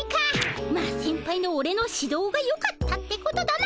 まあセンパイのオレの指どうがよかったってことだな。